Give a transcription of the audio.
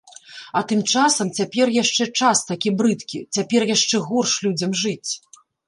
А тым часам цяпер яшчэ час такі брыдкі, цяпер яшчэ горш людзям жыць.